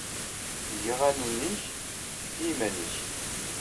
Eg aɣanen-nnek i yiman-nnek.